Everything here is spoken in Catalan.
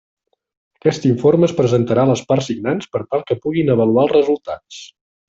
Aquest informe es presentarà a les parts signants per tal que puguin avaluar els resultats.